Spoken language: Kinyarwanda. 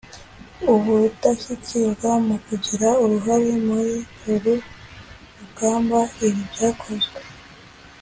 Ubudashyikirwa mu kugira uruhare muri uru rugamba ibi byakozwe